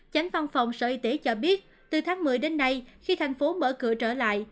chánh văn phòng sở y tế cho biết từ tháng một mươi đến nay khi thành phố mở cửa trở lại